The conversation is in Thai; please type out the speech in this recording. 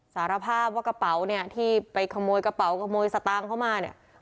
สารภาพว่ากระเป๋าเนี่ยที่ไปขโมยกระเป๋าขโมยสตางค์เข้ามาเนี่ย